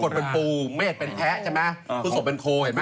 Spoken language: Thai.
กรกฎเป็นปูเมษเป็นแท้ใช่ไหมคุณสงบเป็นโคเห็นไหม